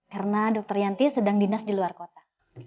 karena dokter yanti sedang dinas di luar kota